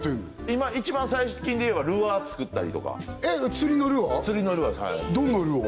今一番最近でいえばルアーつくったりとかえっ釣りのルアー？